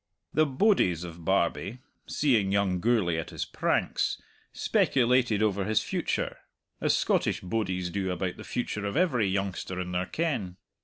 The bodies of Barbie, seeing young Gourlay at his pranks, speculated over his future, as Scottish bodies do about the future of every youngster in their ken.